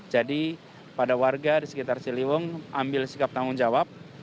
jadi pada warga di sekitar ciliwung ambil sikap tanggung jawab